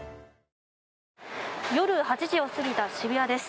夜８時を過ぎた渋谷です。